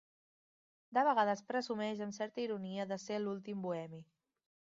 De vegades presumeix amb certa ironia de ser l’últim bohemi.